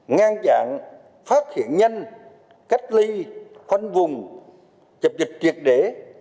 ngăn chặn phát hiện nhanh cách ly khoanh vùng dập dịch triệt để